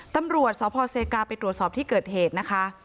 ตำรวจสพเซกาไปตรวจสอบที่เกิดเหตุนะคะ